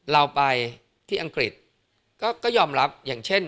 เราไปที่อังกฤษก็ยอมรับอย่างเช่น